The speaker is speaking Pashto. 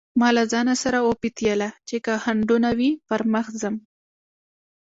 ما له ځانه سره وپتېيله چې که خنډونه وي پر مخ ځم.